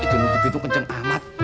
itu nukut itu kenceng amat